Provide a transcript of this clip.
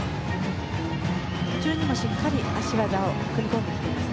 途中にもしっかり脚技を組み込んでいます。